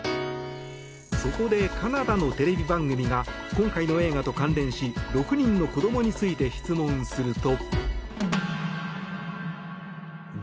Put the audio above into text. そこでカナダのテレビ番組が今回の映画と関連し６人の子どもについて質問すると。